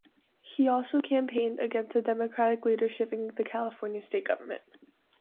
He also campaigned against the Democratic leadership in the California state government.